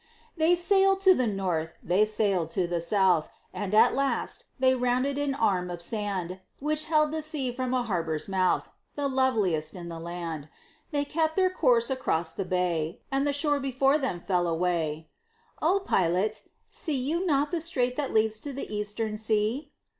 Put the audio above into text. They sailed to the North they sailed to the South And at last they rounded an arm of sand Which held the sea from a harbor's mouth The loveliest in the land; They kept their course across the bay, And the shore before them fell away: "O Pilot, see you not the strait that leads to the Eastern Sea?"